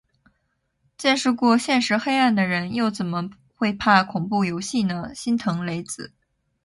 见识过现实黑暗的人，又怎么会怕恐怖游戏呢，心疼雷子